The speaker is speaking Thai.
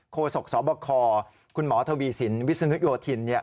โศกสบคคุณหมอทวีสินวิศนุโยธิน